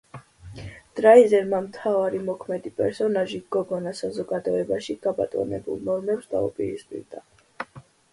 დრაიზერმა მთავარი მოქმედი პერსონაჟი გოგონა საზოგადოებაში გაბატონებულ ნორმებს დაუპირისპირდა.